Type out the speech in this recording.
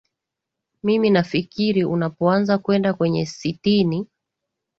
mimi nafikiri unapoanza kwenda kwenye sitini